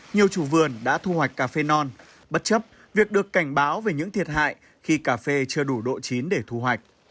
nhiều chủ vườn đã thu hoạch cà phê non bất chấp việc được cảnh báo về những thiệt hại khi cà phê chưa đủ độ chín để thu hoạch